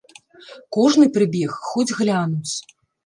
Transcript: Кожны прыбег хоць глянуць.